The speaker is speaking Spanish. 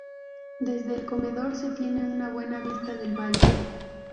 Desde el comedor se tiene una buena vista del valle.